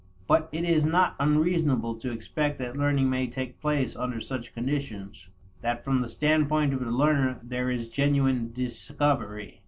But it is not unreasonable to expect that learning may take place under such conditions that from the standpoint of the learner there is genuine discovery.